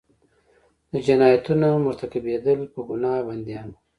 د جنایتونو مرتکبیدلو په ګناه بندیان وو.